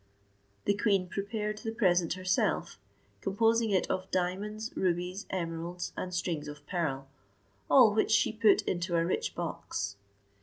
The queen prepared the present herself, composing it of diamonds, rubies, emeralds, and strings of pearl, all which she put into a rich box.